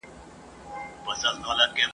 نن به دي سېل د توتکیو تر بهاره څارې !.